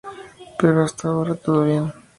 Pero hasta ahora, todo bien.